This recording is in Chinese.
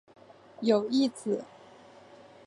有一子。